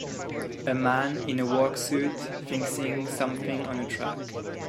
A man in a work suit fixing something on a track.